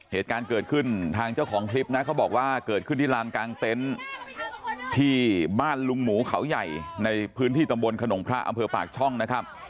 เหตุการณ์เกิดขึ้นทางเจ้าของคลิปนะเขาบอกว่าเกิดขึ้นที่ลานกลางเต็นต์ที่บ้านลุงหมูเขาใหญ่ในพื้นที่ตำบลขนงพระอำเภอปากช่องนะครับ